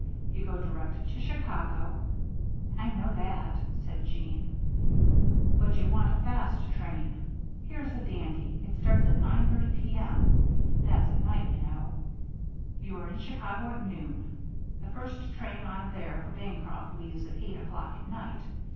You go direct to Chicago " "I know that," said Jeanne. "But you want a fast train. Here's a dandy. It starts at 9:30 P.M. That's at night, you know. You are in Chicago at noon. The first train out of there for Bancroft leaves at eight o'clock at night.